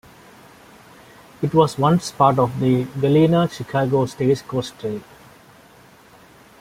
It was once part of the Galena-Chicago Stagecoach Trail.